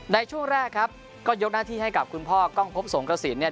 ในช่วงแรกครับก็ยกหน้าที่ให้กับคุณพ่อกล้องพบสงกระสินเนี่ย